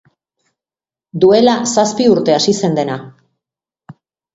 Duela zazpi urte hasi zen dena.